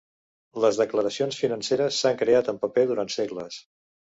Les declaracions financeres s'han creat en paper durant segles.